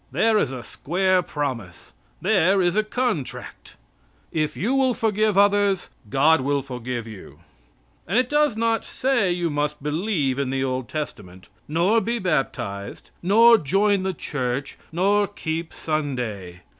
There is a square promise. There is a contract. If you will forgive others, God will forgive you. And it does not say you must believe in the Old Testament, nor be baptized, nor join the Church, nor keep Sunday.